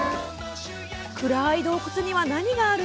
暗い洞窟には何がある？